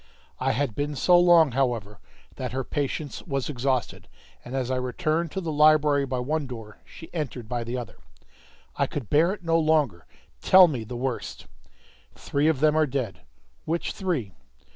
I had been so long, however, that her patience was exhausted, and as I returned to the library by one door, she entered by the other. "I could bear it no longer. Tell me the worst!" "Three of them are dead." "Which three?"